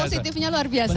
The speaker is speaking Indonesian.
aura positifnya luar biasa